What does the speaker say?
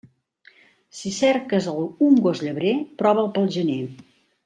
Si cerques un gos llebrer, prova'l pel gener.